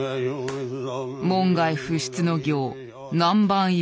門外不出の行南蛮燻し。